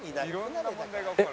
えっ？